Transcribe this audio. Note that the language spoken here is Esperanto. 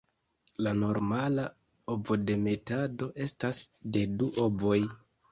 La normala ovodemetado estas de du ovoj.